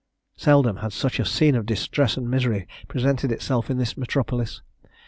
Seldom had such a scene of distress and misery presented itself in this metropolis.